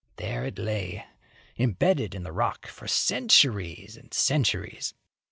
There it lay, imbedded in the rock for centuries and centuries.